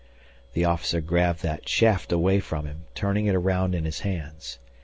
The officer grabbed that shaft away from him, turning it around in his hands.